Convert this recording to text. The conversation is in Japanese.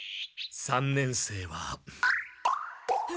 三年生は。